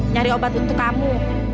nyari obat untuk kamu